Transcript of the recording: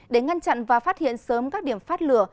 để ngăn chặn và phát hiện sớm các điểm phát lửa